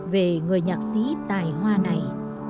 về người nhạc sĩ tài hoa này